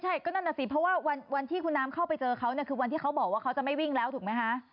ใช่ก็นั่นน่ะสิเพราะว่าวันที่คุณน้ำเข้าไปเจอเขาเนี่ยคือวันที่เขาบอกว่าเขาจะไม่วิ่งแล้วถูกไหมคะ